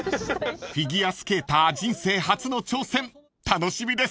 ［フィギュアスケーター人生初の挑戦楽しみです］